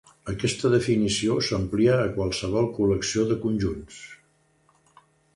Aquesta definició s'amplia a qualsevol col·lecció de conjunts.